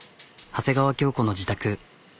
長谷川京子の自宅。